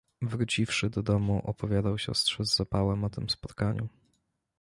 Wróciwszy do domu, opowiadał siostrze z zapałem o tym spotkaniu.